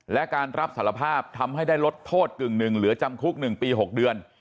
และการรับสารภาพทำให้ได้ลดโทษกึ่งหนึ่งเหลือจำคุก๑ปี๖เดือน